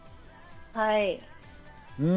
はい。